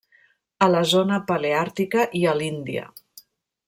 A la zona paleàrtica i a l'Índia.